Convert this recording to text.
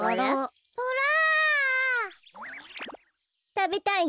たべたいの？